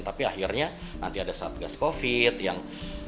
tapi akhirnya nanti ada satgas covid yang